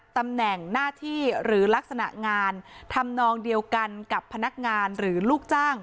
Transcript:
ตำแหน่งหน้าที่หรือลักษณะงานทำนองเดียวกันกับพนักงานหรือลูกจ้าง